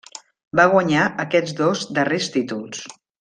Va guanyar aquests dos darrers títols.